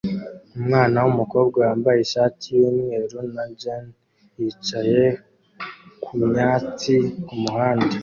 Umwana wumukobwa wambaye ishati yumweru na jans yicaye kumyatsi kumuhanda